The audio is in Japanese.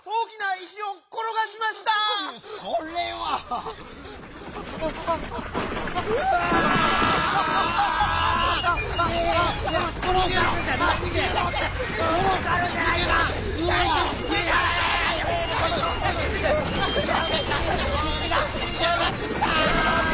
石がころがってきた！